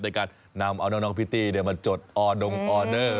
ในการนำเอาน้องพิตตี้มาจดออดงออเดอร์